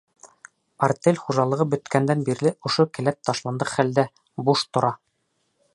Артель хужалығы бөткәндән бирле ошо келәт ташландыҡ хәлдә, буш тора.